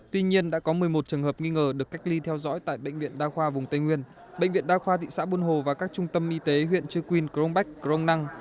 tuy nhiên đã có một mươi một trường hợp nghi ngờ được cách ly theo dõi tại bệnh viện đa khoa vùng tây nguyên bệnh viện đa khoa thị xã buôn hồ và các trung tâm y tế huyện chư quyên crong bách crong năng